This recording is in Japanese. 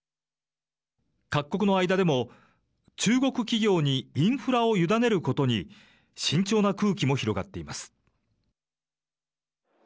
各国の間でも中国企業にインフラを委ねることに慎重な空気も広がっています。